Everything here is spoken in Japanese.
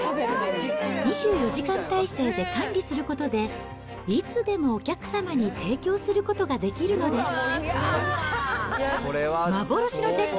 ２４時間態勢で管理することで、いつでもお客様に提供することができるのです。